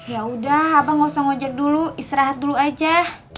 yaudah abang gak usah ngojek dulu istirahat dulu aja